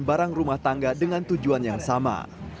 barang rumah tangga dengan tujuan yang sama